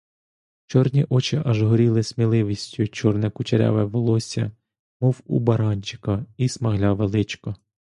Чорні очі аж горіли сміливістю, чорне кучеряве волосся, мов у баранчика, і смагляве личко.